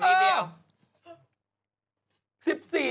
แล้วมีลูกสาวเลยเป็นตุ๊ดขึ้นทุกวัน